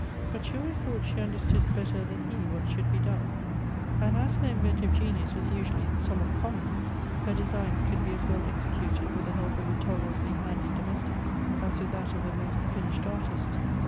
But she always thought she understood better than he what should be done, and as her inventive genius was usually somewhat common, her designs could be as well executed with the help of a tolerably handy domestic as with that of the most finished artist.